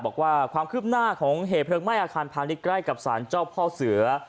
บอกว่าความคืบหน้าของเหตุเพลิงไหม้อาคารพาณิชย์ใกล้กับสารเจ้าพ่อเสือ